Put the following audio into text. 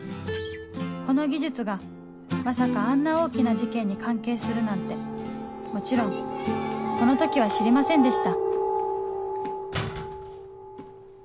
この技術がまさかあんな大きな事件に関係するなんてもちろんこの時は知りませんでした